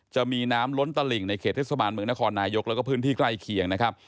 จะมีน้ำล้นตลิ่งในเขตเทศบาลเมืองนครนายกแล้วก็พื้นที่ใกล้เคียงนะครับ